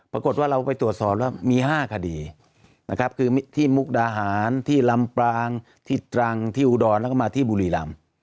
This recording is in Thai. ปรากฏว่าเราไปตรวจสอบแล้วมี๕คดีนะครับคือที่มุกดาหารที่ลำปางที่ตรังที่อุดรแล้วก็มาที่บุรีรำ